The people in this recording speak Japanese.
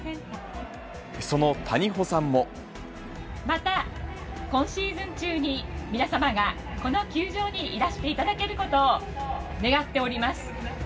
また今シーズン中に、皆様がこの球場にいらしていただけることを願っております。